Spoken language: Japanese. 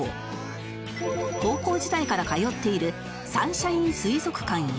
高校時代から通っているサンシャイン水族館へ